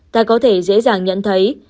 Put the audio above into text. ta có thể dễ dàng nhận thấy